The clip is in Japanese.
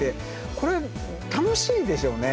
これ楽しいでしょうね。